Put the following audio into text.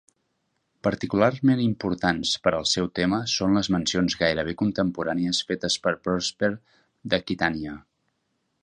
Particularment importants per al seu tema són les mencions gairebé contemporànies fetes per Prosper d'Aquitània.